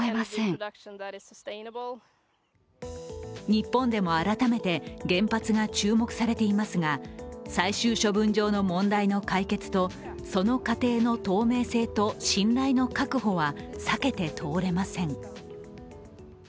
日本でも改めて原発が注目されていますが、最終処分場の問題の解決とその過程の透明性と信頼の確保は避けて通れません。